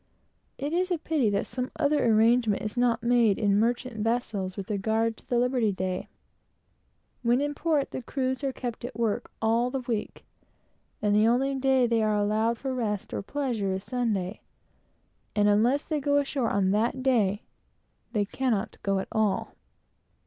It is a pity that some other arrangement is not made in merchant vessels, with regard to the liberty day. When in port, the crews are kept at work all the week, and the only day they are allowed for rest or pleasure is the Sabbath; and unless they go ashore on that day, they cannot go at all.